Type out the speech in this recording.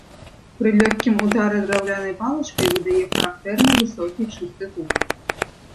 Пры лёгкім ўдары драўлянай палачкай выдае характэрны высокі чысты гук.